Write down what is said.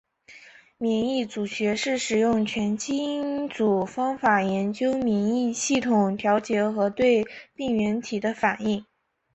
免疫组学是使用全基因组方法研究免疫系统调节和对病原体的反应。